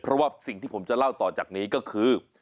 เพราะว่าสิ่งที่ผมจะเล่าต่อจากนี้ก็คือ